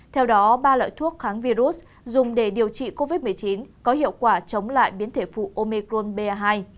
theo đó ba loại thuốc kháng virus dùng để điều trị covid một mươi chín có hiệu quả chống lại biến thể phụ omicron ba hai